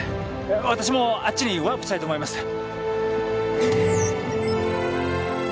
私もあっちにワープしたいと思います。